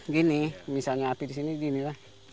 gini misalnya api di sini gini lah